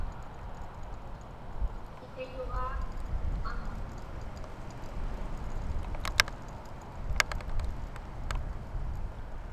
Ikayuġaak aŋun.